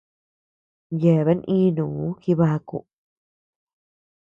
Yeabean ínuu jibaku.